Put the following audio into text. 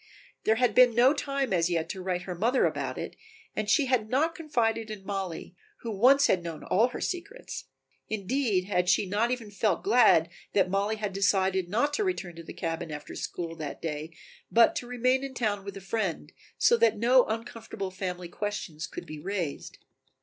There had been no time as yet to write her mother about it and she had not confided in Mollie, who once had known all her secrets. Indeed, had she not even felt glad that Mollie had decided not to return to the cabin after school that day but to remain in town with a friend, so that no uncomfortable family questions could be raised.